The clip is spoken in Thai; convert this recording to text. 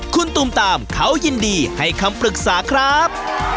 คุณตูมตามเขายินดีให้คำปรึกษาครับ